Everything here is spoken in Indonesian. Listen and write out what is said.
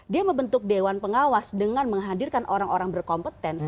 dia membentuk dewan pengawas dengan menghadirkan orang orang berkompetensi